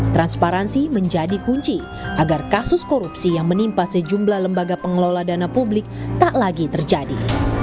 transparansi menjadi kunci agar kasus korupsi yang menimpa sejumlah lembaga pengelola dana publik tak lagi terjadi